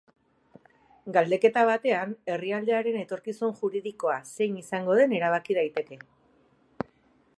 Galdeketa batean herrialdearen etorkizun juridikoa zein izango den erabaki daiteke.